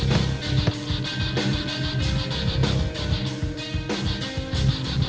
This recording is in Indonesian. eh kawan kenapa kau diam saja